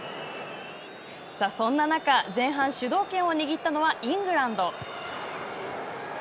そんな中前半主導権を握ったのはイングランド。